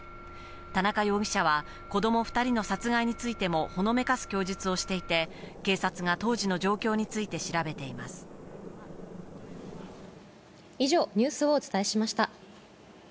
田中容疑者は、子ども２人の殺害についてもほのめかす供述をしていて、警察が当以上、ニュースをお伝えしました。